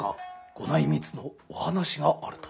「ご内密のお話があると」。